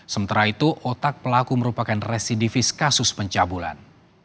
sementara itu otak pelaku merupakan residivis kasus pencabulan